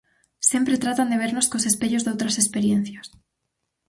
Sempre tratan de vernos cos espellos doutras experiencias.